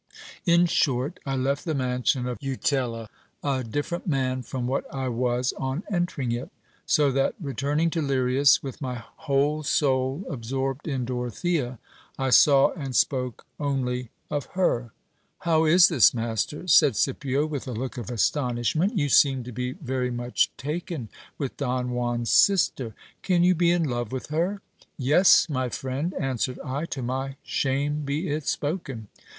In short, I left the mansion of Jutella a different man from what I was on entering it : so that, returning to Lirias with my whole soul absorbed in Doro thea, I saw and spoke only of her. How is this, master ? said Scipio with a look of astonishment: you seem to be very much taken with Don Juan's sister ! Can you be in love with her ? Yes, my friend, answered I : to my shame be it spoken.